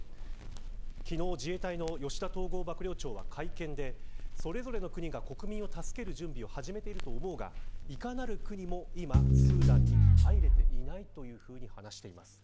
昨日、自衛隊の吉田統合幕僚長は会見でそれぞれの国が、国民を助ける準備を始めていると思うがいかなる国も今スーダンに入れていないというふうに話しています。